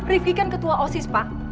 rifki kan ketua osis pak